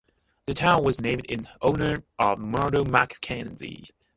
The town was named in honor of Murdo MacKenzie.